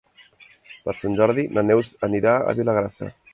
Per Sant Jordi na Neus anirà a Vilagrassa.